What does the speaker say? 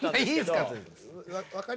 いいんですか。